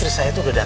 terima kasih pak